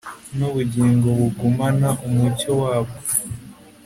Nubugingo bugumana umucyo wabwo